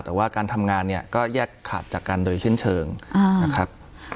แต่ว่าการทำงานเนี่ยก็แยกขาดจากกันโดยสิ้นเชิงนะครับ